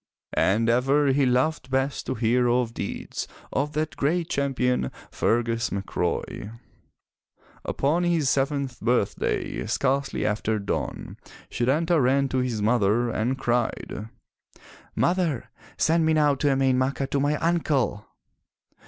And ever he loved best to hear of deeds of that great champion Fergus MacRoy. Upon his seventh birthday, scarcely after dawn, Setanta ran to his mother, and cried: "Mother, send me now to Emain Macha to my uncle!